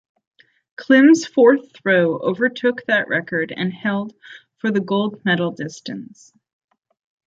Klim's fourth throw overtook that record and held for the gold medal distance.